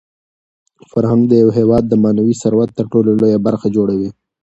فرهنګ د یو هېواد د معنوي ثروت تر ټولو لویه برخه جوړوي.